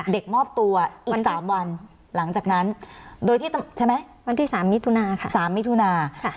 เด็กมอบตัวอีก๓วันหลังจากนั้นโดยที่เมื่อ๓มิศุนา